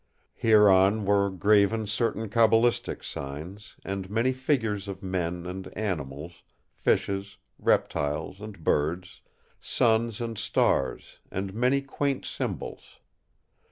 Hereon were graven certain cabalistic signs, and many figures of men and animals, fishes, reptiles and birds; suns and stars; and many quaint symbols.